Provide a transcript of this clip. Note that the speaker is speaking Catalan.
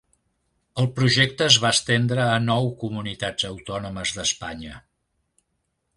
El projecte es va estendre a nou comunitats autònomes d'Espanya.